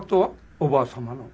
おばあ様の。